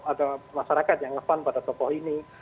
ada masyarakat yang ngefan pada tokoh ini